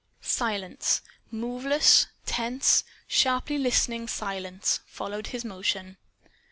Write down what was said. Silence moveless, tense, sharply listening silence followed his motion.